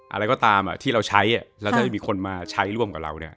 อะไรก็ตามที่เราใช้แล้วถ้าจะมีคนมาใช้ร่วมกับเราเนี่ย